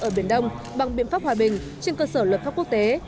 ở biển đông bằng biện pháp hòa bình trên cơ sở luật pháp quốc tế